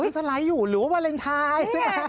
สไลด์อยู่หรือว่าวาเลนไทย